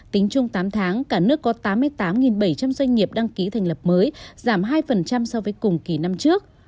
tính chung tám tháng cả nước có tám mươi tám bảy trăm linh doanh nghiệp đăng ký thành lập mới giảm hai so với cùng kỳ năm trước